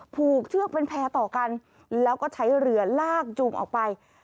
ผูกเชือกเป็นแพร่ต่อกันแล้วก็ใช้เรือลากจูงออกไป